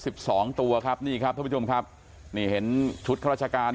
รบ๑๒ตัวครับนี่ครับทุกผู้ชมนี่เห็นชุดราชการ